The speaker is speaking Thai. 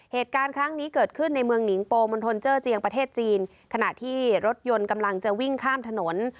เหตุการณ์ครั้งนี้เกิดขึ้นในเมืองหิงโปมณฑลเจอร์เจียงประเทศจีนขณะที่รถยนต์กำลังจะวิ่งข้ามถนน